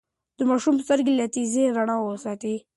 د ماشوم سترګې له تیزې رڼا وساتئ.